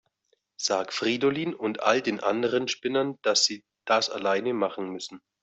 Sag Fridolin und all den anderen Spinnern, dass sie das alleine machen müssen.